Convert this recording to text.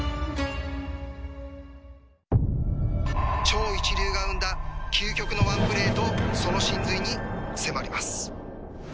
超一流が生んだ究極のワンプレーとその神髄に迫ります。